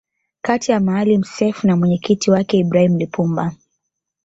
kati ya Maalim Self na mwenyekiti wake Ibrahim Lipumba